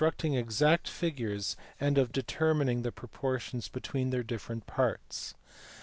283 str acting exact figures and of determining the proportions between their different parts.